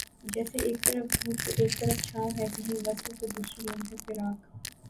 جیسے ایک طرف دھوپ تو ایک طرف چھاؤں ہے کہیں وصل تو دوسرے لمحےفراق